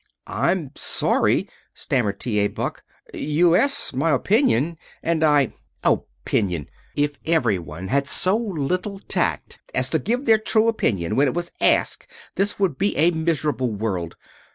"I'm sorry," stammered T. A. Buck. "You asked my opinion and I " "Opinion! If every one had so little tact as to give their true opinion when it was asked this would be a miserable world.